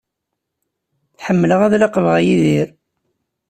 Ḥemmleɣ ad laqbeɣ Yidir.